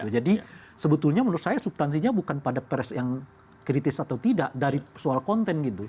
jadi sebetulnya menurut saya subtansinya bukan pada pers yang kritis atau tidak dari soal konten